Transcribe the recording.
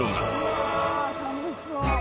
うわ楽しそう！